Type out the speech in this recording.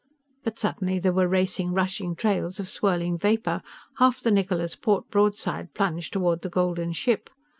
But suddenly there were racing, rushing trails of swirling vapor. Half the Niccola's port broadside plunged toward the golden ship.